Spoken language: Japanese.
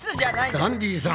ダンディさん